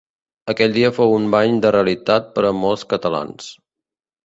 Aquell dia fou un bany de realitat per a molts catalans.